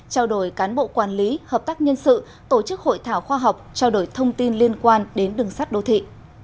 trao đổi cán bộ quản lý hợp tác nhân sự tổ chức hội thảo khoa học trao đổi thông tin liên quan đến đường sắt đô thị